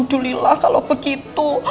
julilah kalo begitu